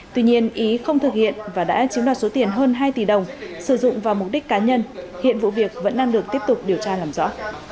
tuy nhiên ý không thực hiện và đã chiếm đoạt số tiền hơn hai tỷ đồng sử dụng vào mục đích cá nhân hiện vụ việc vẫn đang được tiếp tục điều tra làm rõ